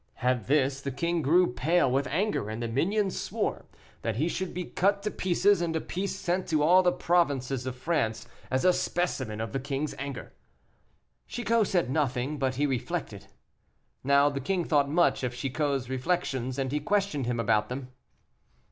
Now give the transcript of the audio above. At this the king grew pale with anger, and the minions swore that he should be cut to pieces, and a piece sent to all the provinces of France as a specimen of the king's anger. Chicot said nothing, but he reflected. Now the king thought much of Chicot's reflections, and he questioned him about them.